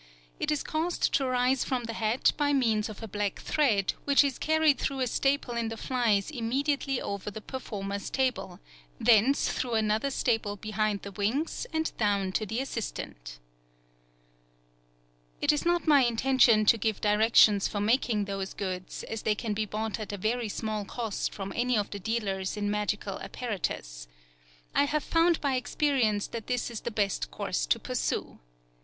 It is caused to rise from the hat by means of a black thread, which is carried through a staple in the flies immediately over the performer's table, thence through another staple behind the wings, and down to the assistant. It is not my intention to give directions for making those goods, as they can be bought at a very small cost from any of the dealers in magical apparatus. I have found by experience that this is the best course to pursue.